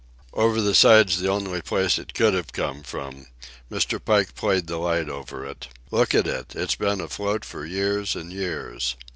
"Over the side's the only place it could have come from." Mr. Pike played the light over it. "Look at it! It's been afloat for years and years."